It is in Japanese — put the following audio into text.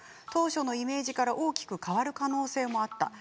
当初のイメージから大きく変わる可能性もあった。